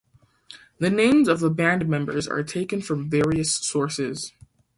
The names of the band members are taken from various sources.